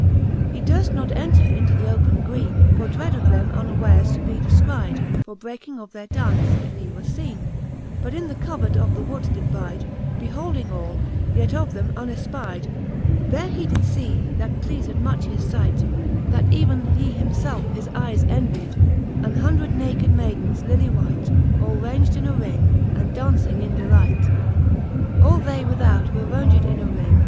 ..' XI. He durft not enter into th open greene. For dread of them unwares to be defcryde,'^" "" For breaking of their daunce, if he were feene ; But in the covert of the wood did byde, Beholding all, yet of them unefpyde. There he did fee, that pleafed mucn his fight, That even he him felfe his eyes envyde, An hundred naked maidens, lilly white, All raunged in a ring, and j^auncing in delight. /nt XII. All •GantoX. the Faerie §lueene, 355 XII. All they without were raunged in ^ ring.